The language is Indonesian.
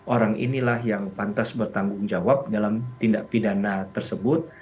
orang inilah yang pantas bertanggung jawab dalam tindak pidana tersebut